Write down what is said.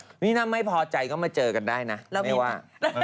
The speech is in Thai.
ควรเดี๋ยวก็มาเจอกันได้นะไม่ว่า